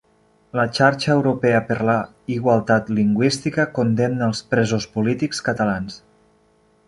La Xarxa Europea per la Igualtat Lingüística condemna els presos polítics catalans